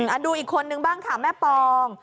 ดูอีกคนนึงบ้างค่ะแม่ปอง